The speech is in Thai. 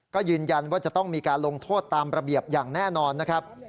ก็ยืนยันว่าจะต้องมีการลงโทษตามระเบียบอย่างแน่นอนนะครับ